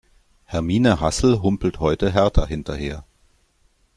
Hermine Hassel humpelt heute Hertha hinterher.